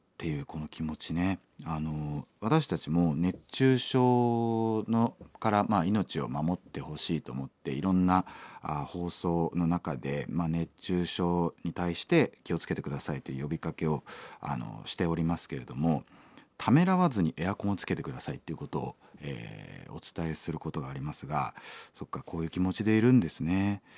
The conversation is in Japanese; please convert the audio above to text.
私たちも熱中症から命を守ってほしいと思っていろんな放送の中で熱中症に対して気を付けて下さいと呼びかけをしておりますけれどもためらわずにエアコンをつけて下さいっていうことをお伝えすることがありますがそうかこういう気持ちでいるんですね。